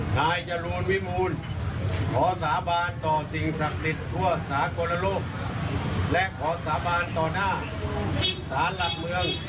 ขอสาบานต่อสิ่งศักดิ์สิทธิ์ทั่วสากลโลกและขอสาบานต่อหน้าศาสตร์หลักเมือง